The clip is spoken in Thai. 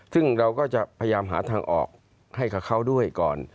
ซึ่งเราก็จะพยายามหาทางออกให้กับเขาด้วยก่อน